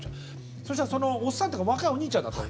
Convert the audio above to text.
そしたらそのおっさんというか若いおにいちゃんだったの。